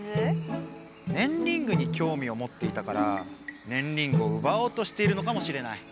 ねんリングにきょうみをもっていたからねんリングをうばおうとしているのかもしれない。